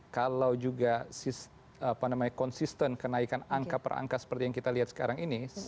kalau juga konsisten kenaikan angka per angka seperti yang kita lihat sekarang ini